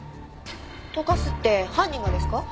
溶かすって犯人がですか？